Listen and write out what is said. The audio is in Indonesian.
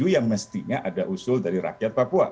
yang mestinya ada usul dari rakyat papua